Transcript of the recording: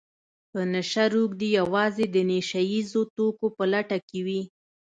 په نشه روږدي يوازې د نشه يیزو توکو په لټه کې وي